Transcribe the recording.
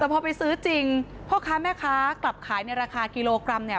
แต่พอไปซื้อจริงพ่อค้าแม่ค้ากลับขายในราคากิโลกรัมเนี่ย